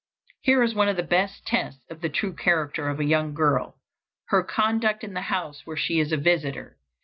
Here is one of the best tests of the true character of a young girl: her conduct in the house where she is a visitor.